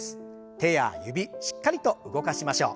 手や指しっかりと動かしましょう。